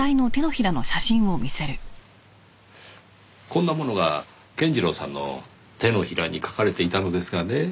こんなものが健次郎さんの手のひらに書かれていたのですがね。